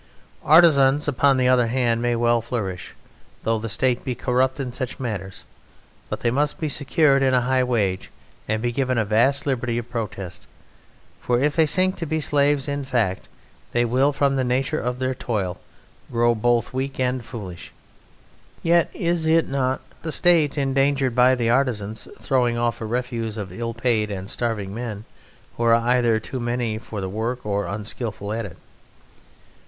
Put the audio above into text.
Artisans, upon the other hand, may well flourish, though the State be corrupt in such matters, but they must be secured in a high wage and be given a vast liberty of protest, for if they sink to be slaves in fact, they will from the nature of their toil grow both weak and foolish. Yet is not the State endangered by the artisan's throwing off a refuse of ill paid and starving men who are either too many for the work or unskilful at it?